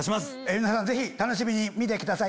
皆さん楽しみに見てください